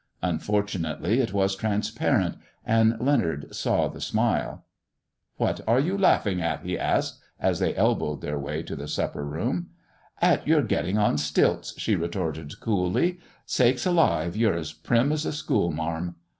Unfortunately it was transparent, and Leonard saw the smile. " What are you laughing at ?" he asked, as they elbowed their way to the supper room. MISS JONATHAN 179 " At your gettin' on stilts," she retorted, coolly. " Sakes alive ! you're as prim as a school marm."